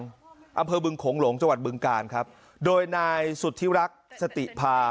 อำเภอบึงโขงหลงจังหวัดบึงกาลครับโดยนายสุธิรักษ์สติพา